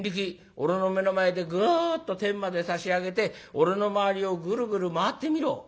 俺の目の前でグーッと天まで差し上げて俺の周りをグルグル回ってみろ」。